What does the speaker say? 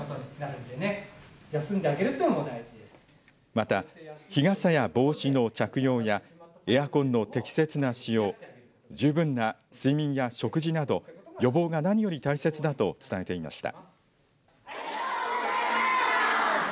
また日傘や帽子の着用やエアコンの適切な使用十分な睡眠や食事など予防が何より大切だと伝えていました。